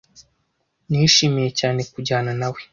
Nishimiye cyane kujyana nawe.